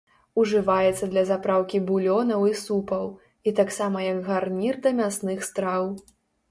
Ужываецца для запраўкі булёнаў і супаў, і таксама як гарнір да мясных страў.